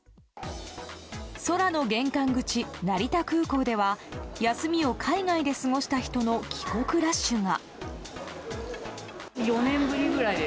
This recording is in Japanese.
空の玄関口、成田空港では休みを海外で過ごした人の帰国ラッシュが。